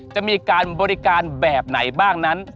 จะมีการบริการแบบไหนบ้างนั้น